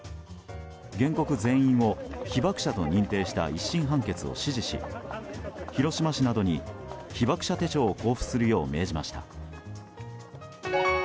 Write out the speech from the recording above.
原告全員を被爆者と認定した１審判決を支持し広島市などに被爆手帳を交付するよう命じました。